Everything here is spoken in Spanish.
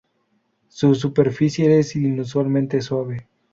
Su superficie es inusualmente suave.